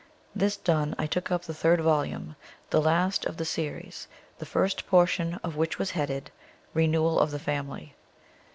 This done I took up the third volume, the last of the series, the first portion of which was headed, Renewal of the Family.